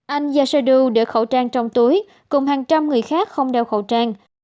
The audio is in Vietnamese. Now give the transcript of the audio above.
anh yashidu để khẩu trang trong túi cùng hàng trăm người khác không đeo khẩu trang